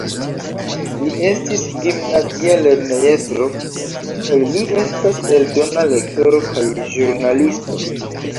Li estis gimnazia lernejestro, kaj li estas eldona lektoro kaj ĵurnalisto.